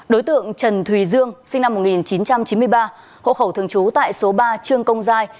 đối tượng trần thùy dương sinh năm một nghìn chín trăm chín mươi ba hộ khẩu thường trú tại số ba trương công giai